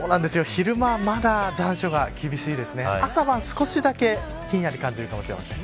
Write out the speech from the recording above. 昼間はまだ残暑が厳しいですが朝は少しだけひんやり感じるかもしれません。